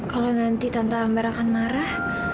kalau nanti tante amber akan marah